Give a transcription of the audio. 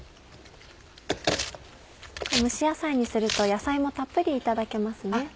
蒸し野菜にすると野菜もたっぷりいただけますね。